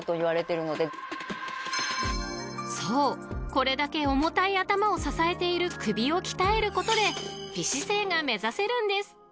これだけ重たい頭を支えている首を鍛えることで美姿勢が目指せるんです］